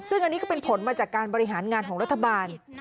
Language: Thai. ซึ่งอันนี้ก็เป็นผลมาจากการบริหารงานของรัฐบาล